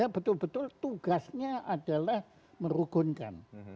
betul betul tugasnya adalah merugunkan